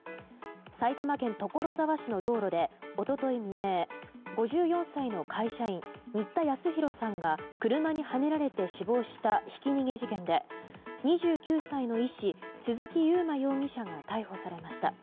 埼玉県所沢市の道路で一昨日未明５４歳の会社員新田恭弘さんが車にはねられて死亡した、ひき逃げ事件で２９歳の医師鈴木佑麿容疑者が逮捕されました。